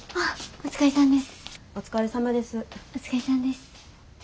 お疲れさんです。